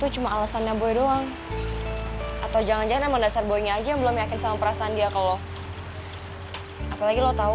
cuma satu ya pesen aku sama kamu